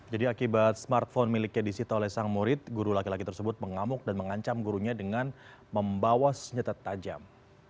jadi akibat smartphone miliknya disitu oleh sang murid guru laki laki tersebut mengamuk dan mengancam gurunya dengan membawa senjata tajam